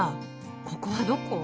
ここはどこ？